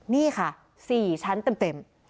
นี่ค่ะ๔ชั้นเต็ม